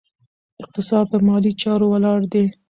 اقتصاد په مالي چارو ولاړ دی.